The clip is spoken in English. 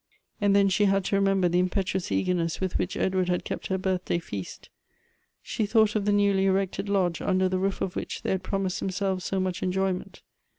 And then she had to remember the impetuous eager ness with which Edward had kept her birthday feast. She thought of the newly erected lodge, under the roof of which they had promised themselves so much enjoy ment.